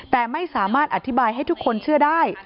แต่ไม่สามารถอธิบายให้ทุกคนเชื่อได้